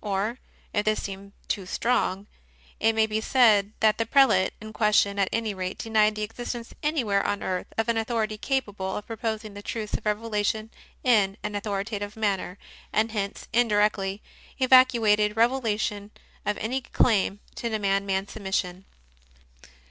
Or, if this seem too strong, it may be said that the prelate in question at any rate denied the existence anywhere on earth of an authority capable of proposing the CONFESSIONS OF A CONVERT 121 truths of Revelation in an authoritative manner, and hence, indirectly evacuated Revelation of any claim to demand man s submission.